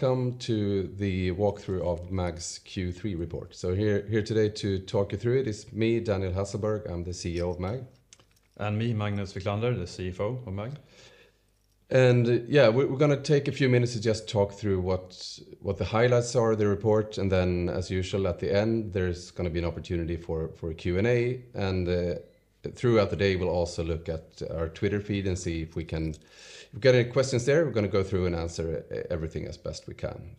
Welcome to the walkthrough of MAG's Q3 report. Here today to talk you through it is me, Daniel Hasselberg. I'm the CEO of MAG. Me, Magnus Wiklander, the CFO of MAG. Yeah, we're gonna take a few minutes to just talk through what the highlights are of the report, and then, as usual, at the end, there's gonna be an opportunity for a Q&A. Throughout the day, we'll also look at our Twitter feed and see if we get any questions there, we're gonna go through and answer everything as best we can.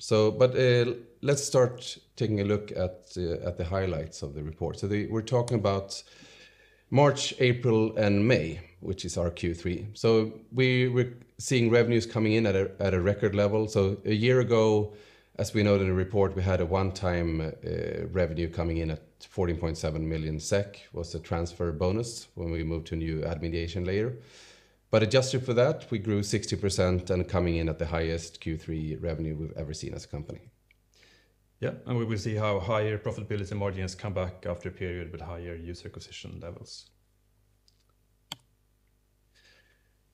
Let's start taking a look at the highlights of the report. We're talking about March, April and May, which is our Q3. We were seeing revenues coming in at a record level. A year ago, as we noted in the report, we had a one-time revenue coming in at 14.7 million SEK, was a transfer bonus when we moved to a new ad mediation layer. Adjusted for that, we grew 60% and coming in at the highest Q3 revenue we've ever seen as a company. We will see how higher profitability margins come back after a period with higher user acquisition levels.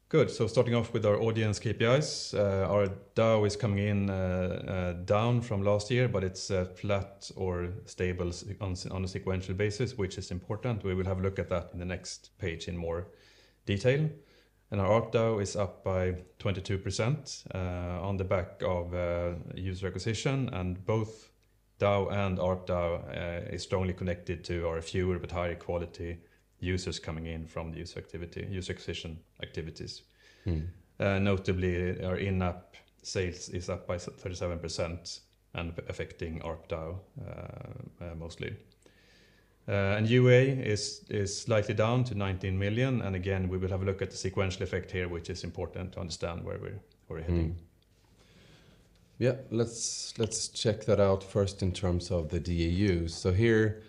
Good. Starting off with our audience KPIs, our DAU is coming in down from last year, but it's flat or stable on a sequential basis, which is important. We will have a look at that in the next page in more detail. Our ARPDAU is up by 22% on the back of user acquisition, and both DAU and ARPDAU is strongly connected to our fewer but higher quality users coming in from the user acquisition activities. Mm-hmm. Notably, our in-app sales is up by 37% and affecting ARPDAU mostly. UA is slightly down to 19 million, again, we will have a look at the sequential effect here, which is important to understand where we're heading. Mm-hmm. Yeah, let's check that out first in terms of the DAU. Here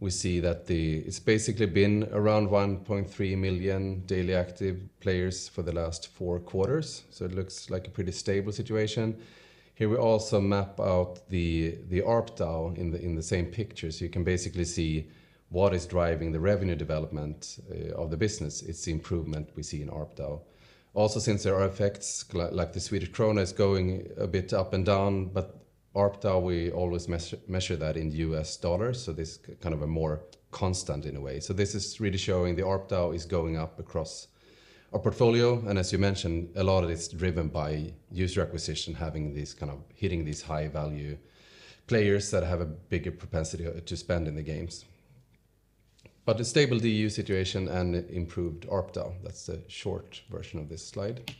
we see that It's basically been around 1.3 million daily active players for the last four quarters, so it looks like a pretty stable situation. Here, we also map out the ARPDAU in the same picture, so you can basically see what is driving the revenue development of the business. It's the improvement we see in ARPDAU. Since there are effects, like the Swedish krona is going a bit up and down, but ARPDAU, we always measure that in US dollars, so this is kind of a more constant in a way. This is really showing the ARPDAU is going up across our portfolio, and as you mentioned, a lot of it is driven by user acquisition having these high-value players that have a bigger propensity to spend in the games. A stable DAU situation and improved ARPDAU, that's the short version of this slide.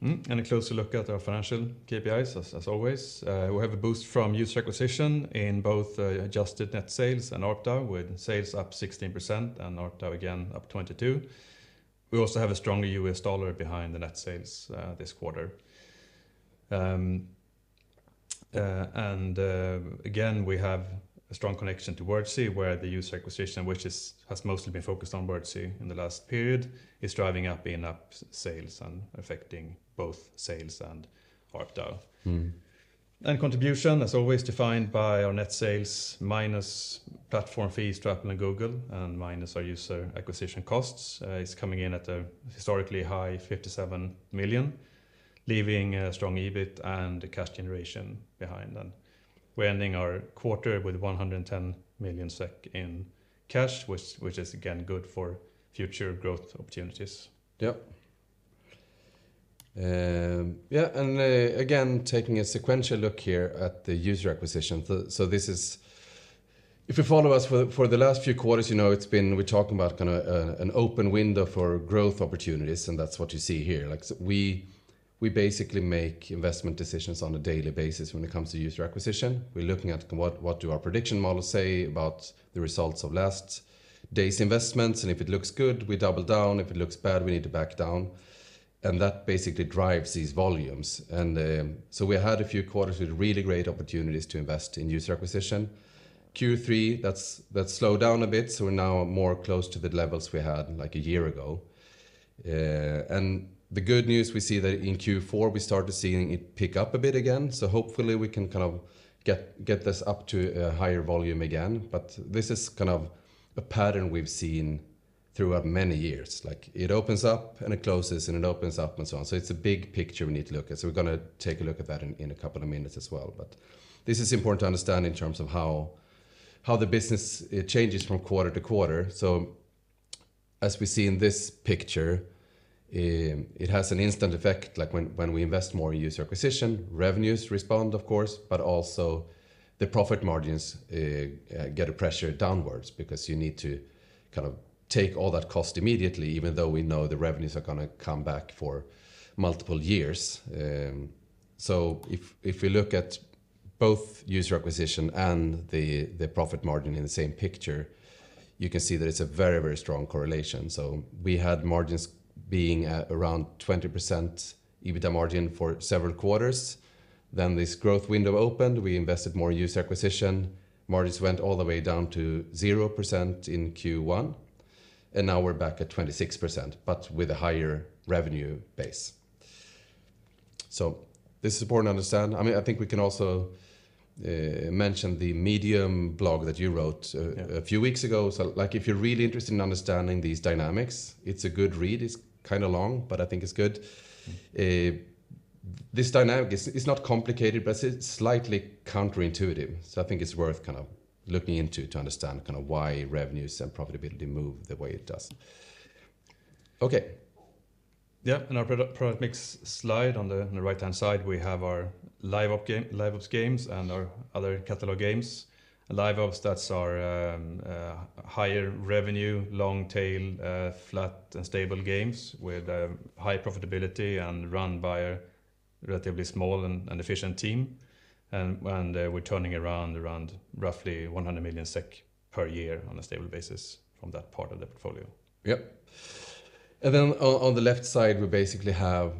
A closer look at our financial KPIs, as always. We have a boost from user acquisition in both adjusted net sales and ARPDAU, with sales up 16% and ARPDAU again up 22%. We also have a stronger US dollar behind the net sales this quarter. Again, we have a strong connection to Wordzee, where the user acquisition, which has mostly been focused on Wordzee in the last period, is driving up in-app sales and affecting both sales and ARPDAU. Mm-hmm. Contribution, as always, defined by our net sales minus platform fees to Apple and Google, and minus our user acquisition costs, is coming in at a historically high 57 million, leaving a strong EBIT and cash generation behind them. We're ending our quarter with 110 million SEK in cash, which is again good for future growth opportunities. Yep. Again, taking a sequential look here at the user acquisition. This is... If you follow us, for the last few quarters, you know, it's been, we're talking about kind of an open window for growth opportunities, and that's what you see here. Like, we basically make investment decisions on a daily basis when it comes to user acquisition. We're looking at what do our prediction models say about the results of last day's investments, and if it looks good, we double down, if it looks bad, we need to back down. That basically drives these volumes. We had a few quarters with really great opportunities to invest in user acquisition. Q3, that's slowed down a bit, so we're now more close to the levels we had, like, a year ago. The good news, we see that in Q4, we start to seeing it pick up a bit again, so hopefully we can kind of get this up to a higher volume again. This is kind of a pattern we've seen throughout many years. Like, it opens up and it closes, and it opens up and so on. It's a big picture we need to look at. We're gonna take a look at that in a couple of minutes as well. This is important to understand in terms of how the business, it changes from quarter to quarter. As we see in this picture, it has an instant effect. Like, when we invest more in user acquisition, revenues respond, of course, but also the profit margins get a pressure downwards because you need to kind of take all that cost immediately, even though we know the revenues are gonna come back for multiple years. So if we look at both user acquisition and the profit margin in the same picture, you can see that it's a very, very strong correlation. We had margins being at around 20% EBITA margin for several quarters. This growth window opened, we invested more user acquisition, margins went all the way down to 0% in Q1, and now we're back at 26%, but with a higher revenue base. This is important to understand. I mean, I think we can also mentioned the Medium blog that you wrote. Yeah A few weeks ago. Like, if you're really interested in understanding these dynamics, it's a good read. It's kinda long, but I think it's good. This dynamic is not complicated, but it's slightly counterintuitive, I think it's worth kinda looking into to understand kinda why revenues and profitability move the way it does. Okay. Our product mix slide on the, on the right-hand side, we have our live ops games and our other catalog games. Live ops, that's our higher revenue, long tail, flat and stable games with high profitability and run by a relatively small and efficient team. We're turning around roughly 100 million SEK per year on a stable basis from that part of the portfolio. Yep. On the left side, we basically have,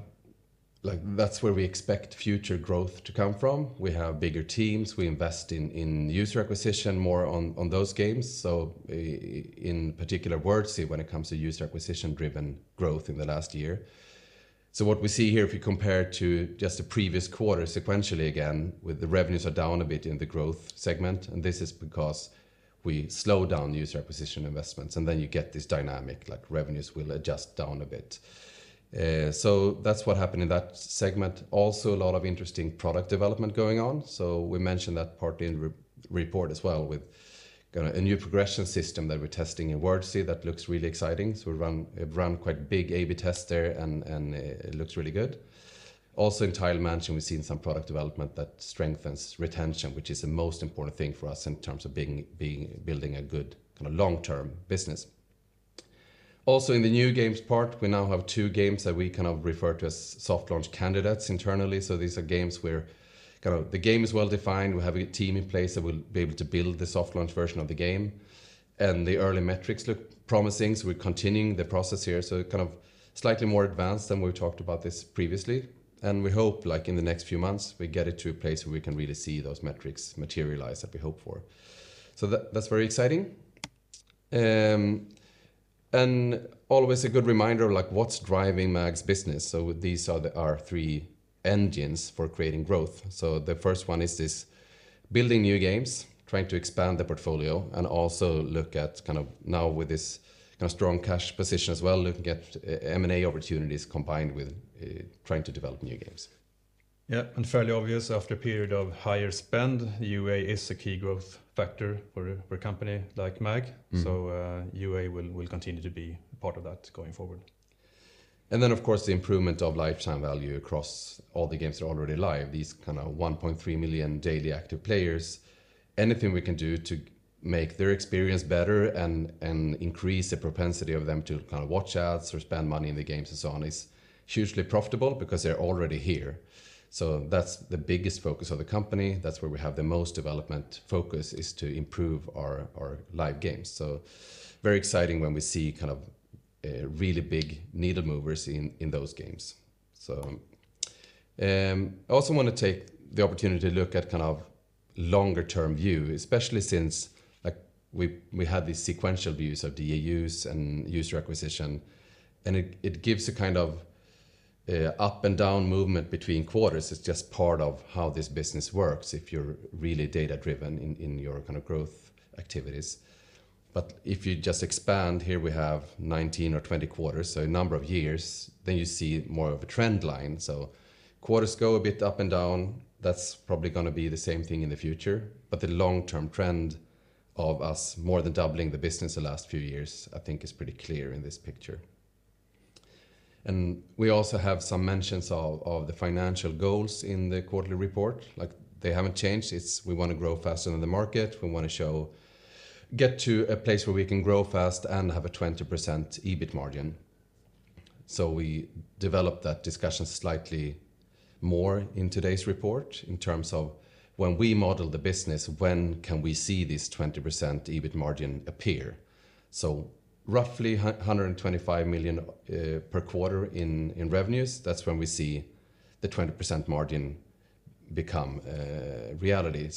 like, that's where we expect future growth to come from. We have bigger teams, we invest in user acquisition, more on those games. In particular, Wordzee, when it comes to user acquisition-driven growth in the last year. What we see here, if you compare it to just the previous quarter, sequentially, again, with the revenues are down a bit in the growth segment, and this is because we slow down user acquisition investments, and then you get this dynamic, like revenues will adjust down a bit. That's what happened in that segment. Also, a lot of interesting product development going on, we mentioned that part in report as well, with kinda a new progression system that we're testing in Wordzee that looks really exciting. We ran quite a big A/B test there, and it looks really good. Also, in Tile Mansion, we've seen some product development that strengthens retention, which is the most important thing for us in terms of building a good kinda long-term business. Also, in the new games part, we now have two games that we kind of refer to as soft launch candidates internally. These are games where kind of the game is well defined, we have a good team in place that will be able to build the soft launch version of the game, and the early metrics look promising, so we're continuing the process here. Kind of slightly more advanced than we've talked about this previously, and we hope, like in the next few months, we get it to a place where we can really see those metrics materialize that we hope for. That's very exciting. Always a good reminder of, like, what's driving MAG's business? These are the R3 engines for creating growth. The first one is this, building new games, trying to expand the portfolio, and also look at kind of now with this kinda strong cash position as well, looking at M&A opportunities combined with trying to develop new games. Yeah, fairly obvious, after a period of higher spend, UA is a key growth factor for a, for a company like MAG. Mm-hmm. UA will continue to be part of that going forward. Of course, the improvement of lifetime value across all the games that are already live, these kind of 1.3 million daily active players. Anything we can do to make their experience better and increase the propensity of them to kind of watch ads or spend money in the games and so on, is hugely profitable because they're already here. That's the biggest focus of the company. That's where we have the most development focus, is to improve our live games. Very exciting when we see kind of really big needle movers in those games. I also want to take the opportunity to look at kind of longer-term view, especially since, like, we had these sequential views of DAUs and user acquisition, and it gives a kind of up and down movement between quarters. It's just part of how this business works if you're really data-driven in your kinda growth activities. If you just expand, here we have 19 or 20 quarters, so a number of years, then you see more of a trend line. Quarters go a bit up and down. That's probably gonna be the same thing in the future, but the long-term trend of us more than doubling the business the last few years, I think is pretty clear in this picture. We also have some mentions of the financial goals in the quarterly report. They haven't changed. It's we wanna grow faster than the market, we wanna get to a place where we can grow fast and have a 20% EBIT margin. We developed that discussion slightly more in today's report in terms of when we model the business, when can we see this 20% EBIT margin appear? Roughly 125 million per quarter in revenues, that's when we see the 20% margin become reality.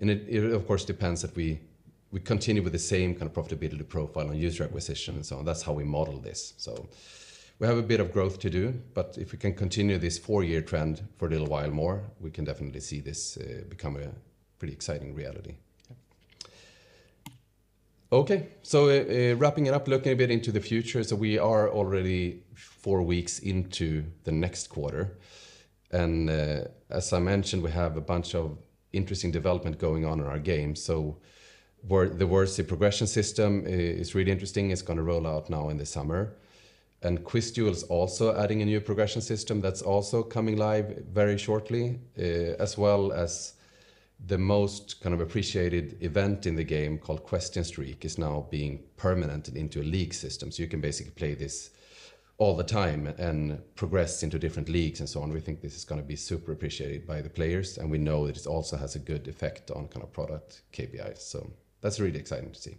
It of course depends if we continue with the same kind of profitability profile and user acquisition and so on. That's how we model this. We have a bit of growth to do, but if we can continue this four-year trend for a little while more, we can definitely see this become a pretty exciting reality. Yeah. Okay, wrapping it up, looking a bit into the future. We are already four weeks into the next quarter, and as I mentioned, we have a bunch of interesting development going on in our games. The Wordzee progression system is really interesting. It's gonna roll out now in the summer. QuizDuel is also adding a new progression system that's also coming live very shortly, as well as the most kind of appreciated event in the game, called Question Streak, is now being permanent into a league system. You can basically play this all the time and progress into different leagues and so on. We think this is gonna be super appreciated by the players, and we know that it also has a good effect on kinda product KPIs. That's really exciting to see.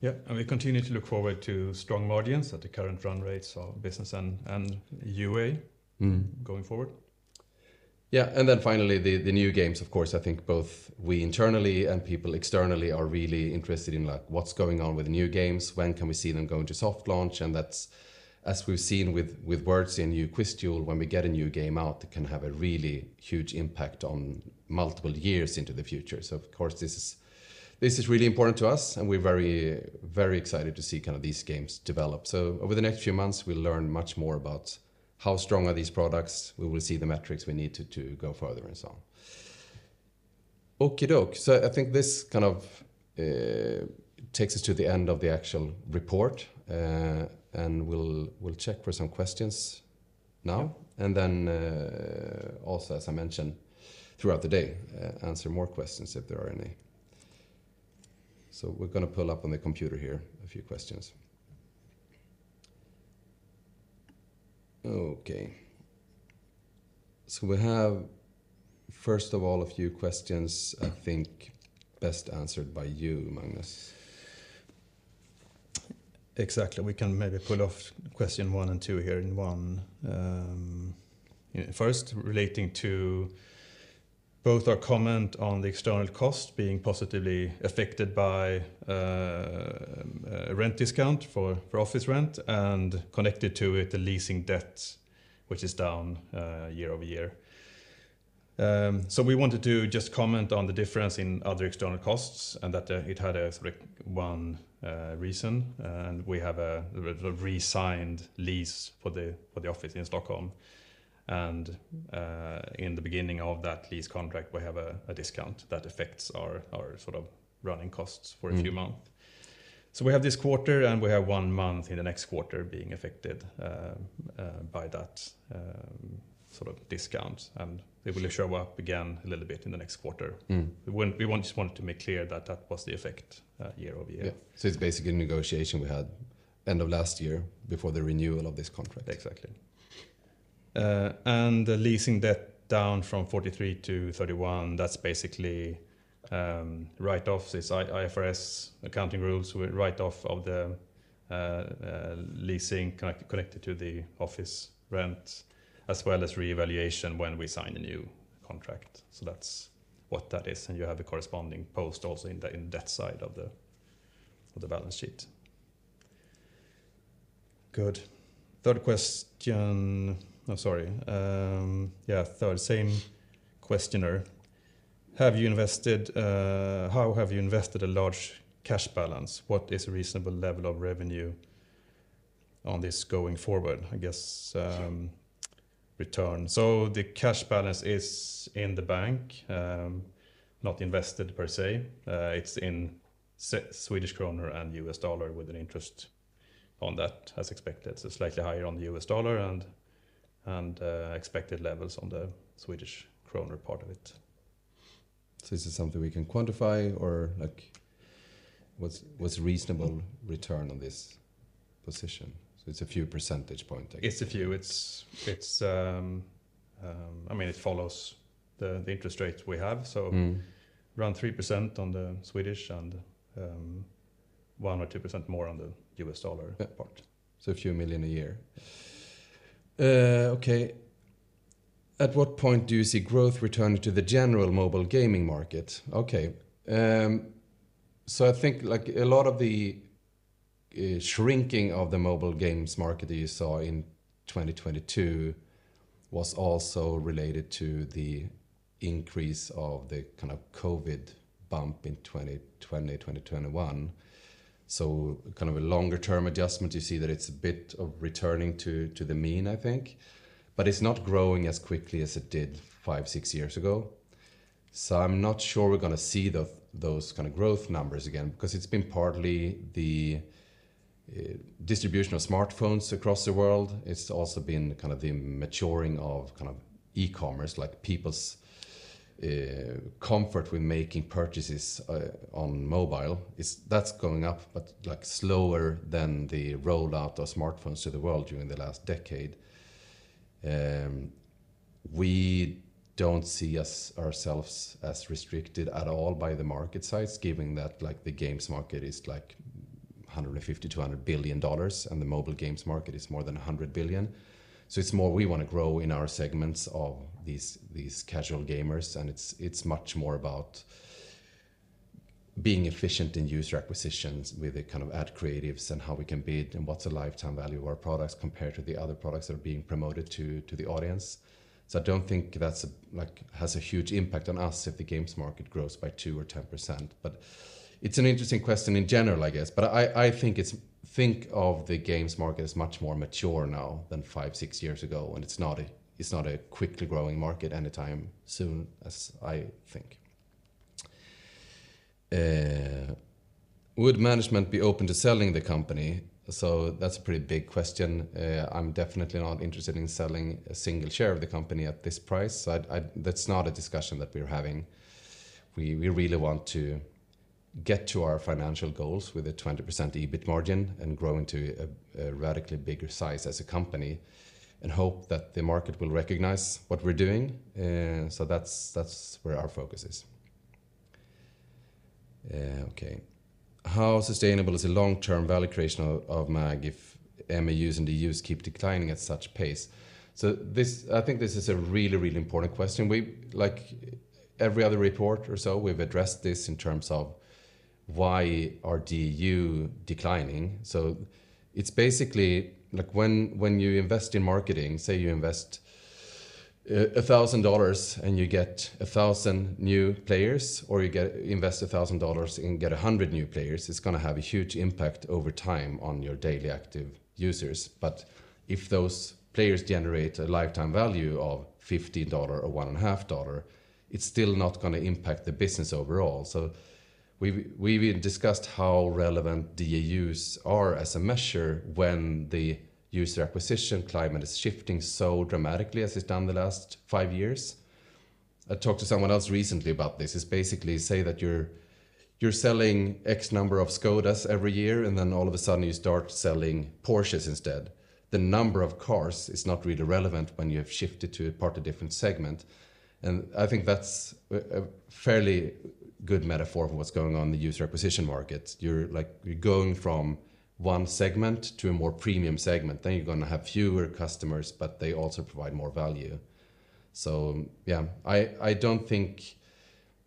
Yeah, we continue to look forward to strong margins at the current run rates of business and UA. Mm-hmm going forward. Yeah, then finally, the new games, of course, I think both we internally and people externally are really interested in, like, what's going on with new games? When can we see them going to soft launch? That's as we've seen with Wordzee and new QuizDuel, when we get a new game out, it can have a really huge impact on multiple years into the future. Of course, this is really important to us, and we're very excited to see kind of these games develop. Over the next few months, we'll learn much more about how strong are these products. We will see the metrics we need to go further and so on. Okie-doke. I think this kind of, takes us to the end of the actual report, and we'll check for some questions now, and then, also, as I mentioned throughout the day, answer more questions if there are any. We're gonna pull up on the computer here, a few questions. Okay. We have, first of all, a few questions, I think, best answered by you, Magnus. Exactly. We can maybe pull off question one and two here in one. First, relating to both our comment on the external cost being positively affected by a rent discount for office rent and connected to it, the leasing debt, which is down year-over-year. We wanted to just comment on the difference in other external costs, and that it had a sort of one reason, we have a resigned lease for the office in Stockholm. In the beginning of that lease contract, we have a discount that affects our sort of running costs for a few months. Mm-hmm. We have this quarter, and we have one month in the next quarter being affected by that sort of discount. It will show up again a little bit in the next quarter. Mm-hmm. just wanted to make clear that that was the effect, year-over-year. Yeah. It's basically a negotiation we had end of last year before the renewal of this contract. Exactly. The leasing debt down from 43-31, that's basically, write-off. The IFRS accounting rules were write-off of the leasing connected to the office rent, as well as reevaluation when we sign a new contract. That's what that is, and you have a corresponding post also in the, in that side of the, of the balance sheet. Good. Third question... Oh, sorry, yeah, third, same questioner: How have you invested a large cash balance? What is a reasonable level of revenue on this going forward? I guess, return. The cash balance is in the bank, not invested per se. It's in Swedish kroner and US dollar, with an interest on that as expected. Slightly higher on the US dollar and expected levels on the Swedish kroner part of it. Is this something we can quantify or, like, what's reasonable return on this position? It's a few percentage point, I guess. It's a few. It's I mean, it follows the interest rates we have. Mm-hmm. Around 3% on the Swedish and, 1% or 2% more on the US dollar. Yeah -part. A few million SEK a year. Okay. At what point do you see growth returning to the general mobile gaming market? I think, like, a lot of the shrinking of the mobile games market that you saw in 2022 was also related to the increase of the kind of COVID bump in 2020, 2021. Kind of a longer-term adjustment, you see that it's a bit of returning to the mean, I think, but it's not growing as quickly as it did five, six years ago. I'm not sure we're gonna see the, those kinda growth numbers again, because it's been partly the distribution of smartphones across the world. It's also been kind of the maturing of kind of e-commerce, like people's comfort with making purchases on mobile, that's going up, but, like, slower than the rollout of smartphones to the world during the last decade. We don't see ourselves as restricted at all by the market size, given that, like, the games market is, like, $150 billion-$200 billion, and the mobile games market is more than $100 billion. It's more we wanna grow in our segments of these casual gamers, and it's much more about being efficient in user acquisitions with the kind of ad creatives and how we can beat, and what's the lifetime value of our products compared to the other products that are being promoted to the audience. I don't think that's, like, has a huge impact on us if the games market grows by 2% or 10%. It's an interesting question in general, I guess. I think of the games market as much more mature now than five, six years ago, and it's not a, it's not a quickly growing market anytime soon, as I think. Would management be open to selling the company? That's a pretty big question. I'm definitely not interested in selling a single share of the company at this price. That's not a discussion that we're having. We really want to get to our financial goals with a 20% EBIT margin and grow into a radically bigger size as a company and hope that the market will recognize what we're doing. That's, that's where our focus is. Okay. How sustainable is the long-term value creation of MAG if MAUs and DAUs keep declining at such pace? I think this is a really, really important question. Like every other report or so, we've addressed this in terms of why are DU declining? It's basically, like when you invest in marketing, say, you invest $1,000 and you get 1,000 new players, or you invest $1,000 and get 100 new players, it's gonna have a huge impact over time on your daily active users. If those players generate a lifetime value of $50 or one and a half dollar, it's still not gonna impact the business overall. We've discussed how relevant DAUs are as a measure when the user acquisition climate is shifting so dramatically as it's done in the last five years. I talked to someone else recently about this. It's basically say that you're selling X number of Škodas every year, and then all of a sudden you start selling Porsches instead. The number of cars is not really relevant when you have shifted to a part of a different segment. I think that's a fairly good metaphor for what's going on in the user acquisition market. You're like, you're going from one segment to a more premium segment. You're gonna have fewer customers, but they also provide more value. Yeah, I don't think...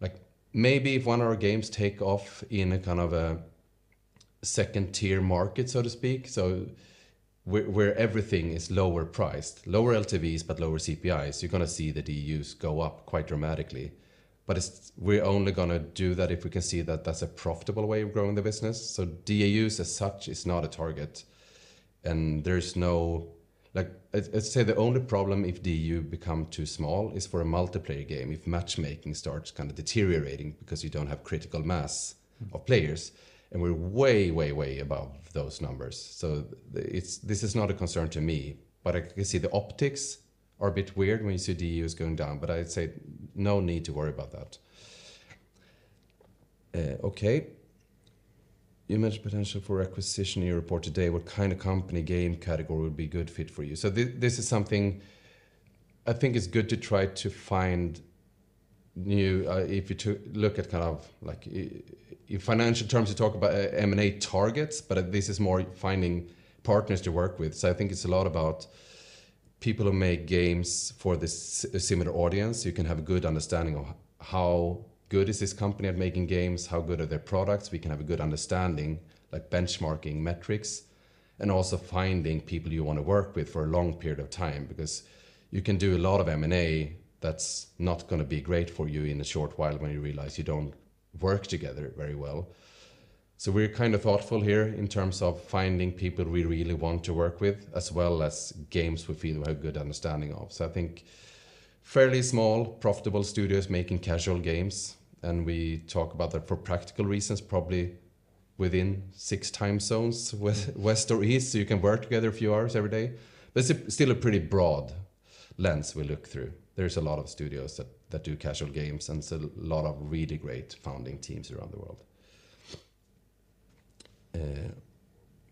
Like, maybe if one of our games take off in a kind of a second-tier market, so to speak, so where everything is lower priced, lower LTVs, but lower CPIs, you're gonna see the DAUs go up quite dramatically. We're only gonna do that if we can see that that's a profitable way of growing the business. DAUs as such, is not a target, and let's say the only problem if DAU become too small, is for a multiplayer game, if matchmaking starts kind of deteriorating because you don't have critical mass of players, and we're way above those numbers. This is not a concern to me, but I can see the optics are a bit weird when you see DAUs going down, but I'd say no need to worry about that. Okay. You mentioned potential for acquisition in your report today. What kind of company game category would be a good fit for you? This is something I think is good to try to find new. If you to look at kind of like, in financial terms, you talk about M&A targets, but this is more finding partners to work with. I think it's a lot about people who make games for this similar audience. You can have a good understanding of how good is this company at making games? How good are their products? We can have a good understanding, like benchmarking metrics, and also finding people you wanna work with for a long period of time, because you can do a lot of M&A, that's not gonna be great for you in a short while when you realize you don't work together very well. We're kind of thoughtful here in terms of finding people we really want to work with, as well as games we feel we have a good understanding of. I think fairly small, profitable studios making casual games, and we talk about that for practical reasons, probably within six time zones with west or east, so you can work together a few hours every day. It's still a pretty broad lens we look through. There's a lot of studios that do casual games, and so a lot of really great founding teams around the world.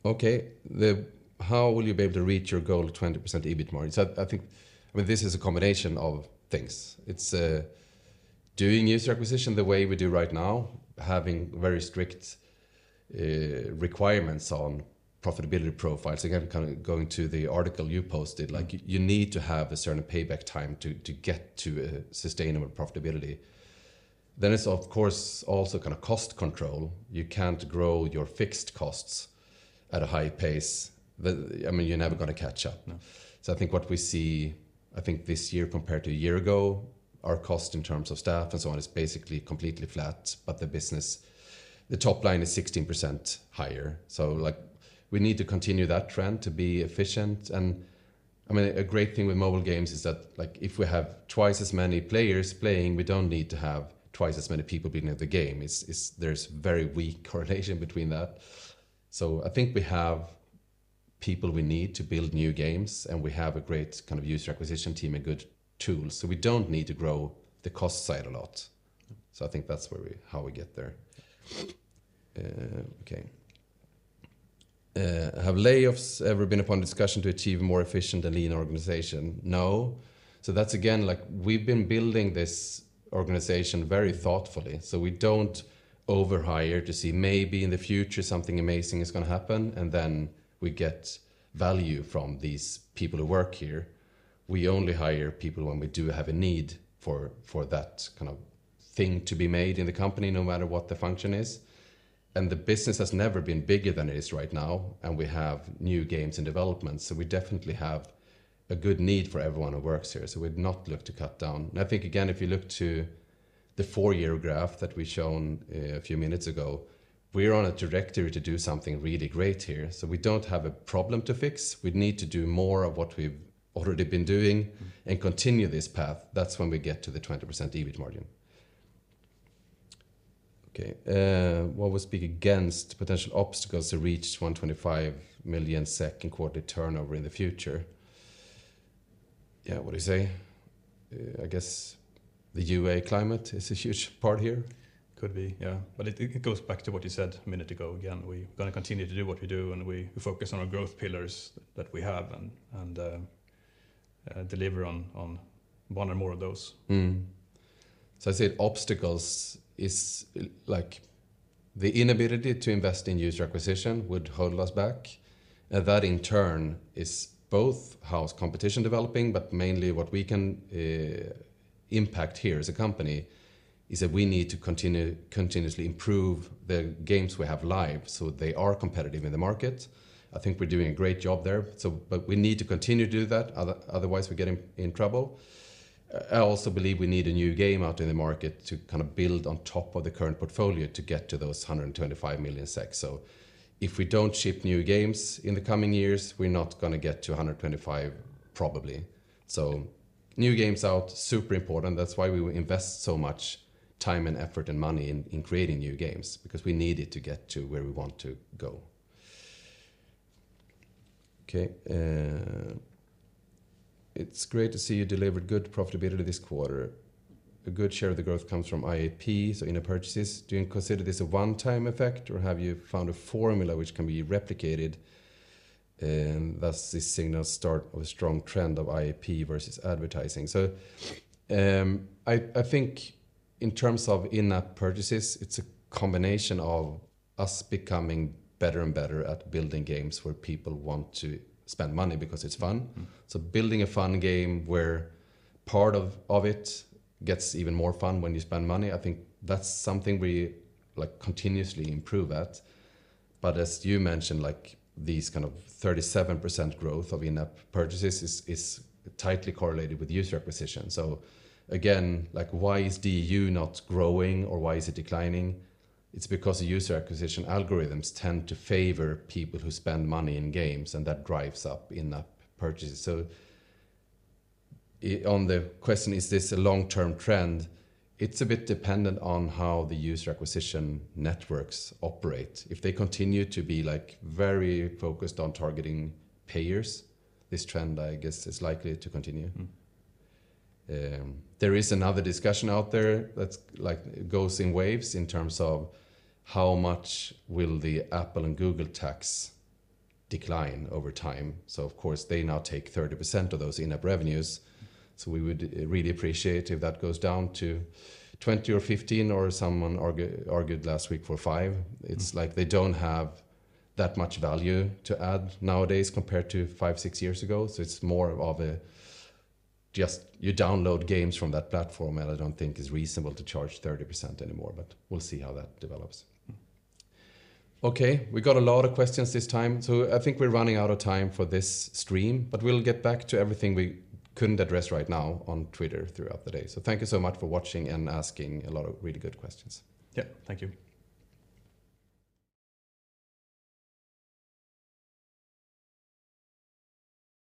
Okay. How will you be able to reach your goal of 20% EBIT margin? I think, well, this is a combination of things. It's doing user acquisition the way we do right now, having very strict requirements on profitability profiles. Again, kind of going to the article you posted, like, you need to have a certain payback time to get to a sustainable profitability. It's, of course, also kinda cost control. You can't grow your fixed costs at a high pace. I mean, you're never gonna catch up. I think what we see, I think this year compared to a year ago, our cost in terms of staff and so on, is basically completely flat, but the business, the top line is 16% higher. Like, we need to continue that trend to be efficient. I mean, a great thing with mobile games is that, like, if we have twice as many players playing, we don't need to have twice as many people building up the game. It's. There's very weak correlation between that. I think we have people we need to build new games, and we have a great kind of user acquisition team and good tools, so we don't need to grow the cost side a lot. I think that's how we get there. Okay. Have layoffs ever been upon discussion to achieve a more efficient and lean organization? No. That's again, like, we've been building this organization very thoughtfully, so we don't over-hire to see maybe in the future something amazing is gonna happen, and then we get value from these people who work here. We only hire people when we do have a need for that kind of thing to be made in the company, no matter what the function is. The business has never been bigger than it is right now, and we have new games in development, so we definitely have a good need for everyone who works here, so we've not looked to cut down. I think, again, if you look to the 4-year graph that we've shown, a few minutes ago, we're on a trajectory to do something really great here. We don't have a problem to fix. We need to do more of what we've already been doing. Mm-hmm. Continue this path. That's when we get to the 20% EBIT margin. What would speak against potential obstacles to reach 125 million second quarterly turnover in the future? What do you say? I guess the UA climate is a huge part here. Could be, yeah. It goes back to what you said a minute ago. Again, we're gonna continue to do what we do, we focus on our growth pillars that we have and. deliver on one or more of those. I said obstacles is, like, the inability to invest in user acquisition would hold us back. That in turn is both how is competition developing, but mainly what we can impact here as a company, is that we need to continuously improve the games we have live so they are competitive in the market. I think we're doing a great job there, but we need to continue to do that, otherwise, we're getting in trouble. I also believe we need a new game out in the market to kinda build on top of the current portfolio to get to those 125 million SEK. If we don't ship new games in the coming years, we're not gonna get to 125, probably. New games out, super important. That's why we invest so much time, and effort, and money in creating new games, because we need it to get to where we want to go. Okay, it's great to see you delivered good profitability this quarter. A good share of the growth comes from IAP, so in-app purchases. Do you consider this a one-time effect, or have you found a formula which can be replicated, and thus, this signals start of a strong trend of IAP versus advertising? I think in terms of in-app purchases, it's a combination of us becoming better and better at building games where people want to spend money because it's fun. Mm. Building a fun game where part of it gets even more fun when you spend money, I think that's something we, like, continuously improve at. As you mentioned, like, these kind of 37% growth of in-app purchases is tightly correlated with user acquisition. Again, like, why is DAU not growing, or why is it declining? It's because the user acquisition algorithms tend to favor people who spend money in games, and that drives up in-app purchases. On the question, is this a long-term trend? It's a bit dependent on how the user acquisition networks operate. If they continue to be, like, very focused on targeting payers, this trend, I guess, is likely to continue. Mm. There is another discussion out there that, like, goes in waves in terms of how much will the Apple and Google tax decline over time. Of course, they now take 30% of those in-app revenues. We would really appreciate if that goes down to 20 or 15, or someone argued last week for five. Mm. It's like they don't have that much value to add nowadays, compared to five, six years ago. Just you download games from that platform, and I don't think it's reasonable to charge 30% anymore, but we'll see how that develops. Mm. Okay, we got a lot of questions this time. I think we're running out of time for this stream. We'll get back to everything we couldn't address right now on Twitter throughout the day. Thank you so much for watching and asking a lot of really good questions. Yeah, thank you.